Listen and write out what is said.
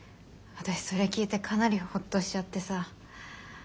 私それ聞いてかなりほっとしちゃってさ。